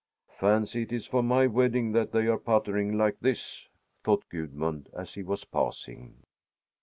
"Fancy, it is for my wedding that they are puttering like this!" thought Gudmund, as he was passing.